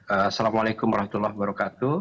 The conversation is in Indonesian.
assalamu'alaikum warahmatullahi wabarakatuh